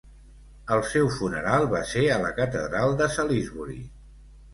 El seu funeral va ser a la catedral de Salisbury.